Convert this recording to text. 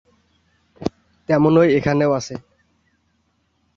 তেমনই এখানেও আছে।